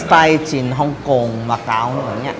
สไตล์จีนฮ่องกงมะกาวอย่างนี้